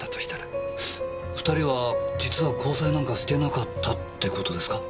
２人は実は交際なんかしてなかったって事ですか？